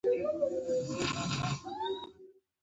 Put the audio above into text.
نړیوالې اقتصادي اړیکې له سیاسي اړیکو زیاتې شوې